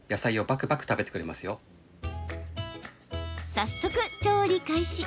早速、調理開始。